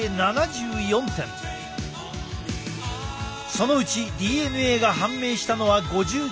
そのうちＤＮＡが判明したのは５９点。